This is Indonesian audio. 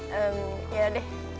ya udah deh